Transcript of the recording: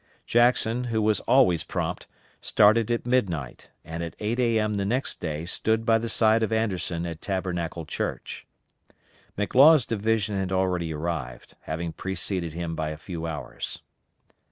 Jackson, who was always prompt, started at midnight, and at 8 A.M. the next day stood by the side of Anderson at Tabernacle Church. McLaws' division had already arrived, having preceded him by a few hours.